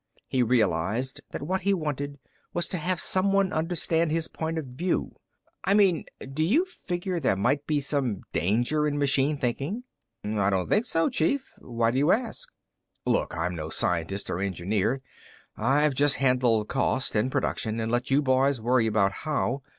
He realized that what he wanted was to have someone understand his point of view. "I mean do you figure there might be some danger in machine thinking?" "I don't think so, Chief. Why do you ask?" "Look, I'm no scientist or engineer. I've just handled cost and production and let you boys worry about how.